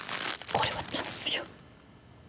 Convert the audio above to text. これはチャンスよ。